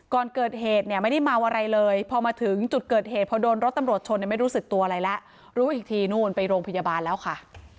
ก่อนเกิดเหตุเนี่ยไม่ได้เมาอะไรเลยพอมาถึงจุดเกิดเหตุพอโดนรถตำรวจชนไม่รู้สึกตัวอะไรแล้วรู้อีกทีนู่นไปโรงพยาบาลแล้วค่ะ